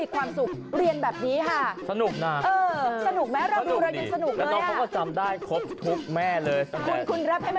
คุณมึงเหรอจำได้ไหม